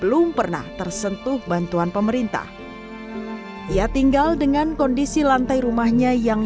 belum pernah tersentuh bantuan pemerintah ia tinggal dengan kondisi lantai rumahnya yang